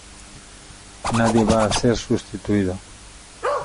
Nadie va a ser sustituido.